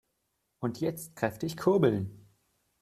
Und jetzt kräftig kurbeln!